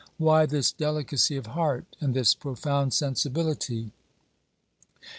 Why this delicacy of heart and this profound sensibility?